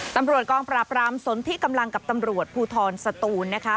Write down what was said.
ตำรวจกองปราบรามสนที่กำลังกับตำรวจภูทรสตูนนะคะ